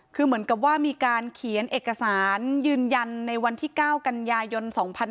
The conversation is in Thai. คือเหมือนกับว่ามีการเขียนเอกสารยืนยันในวันที่๙กันยายน๒๕๖๒